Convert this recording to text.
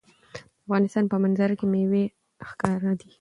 د افغانستان په منظره کې مېوې ښکاره ده.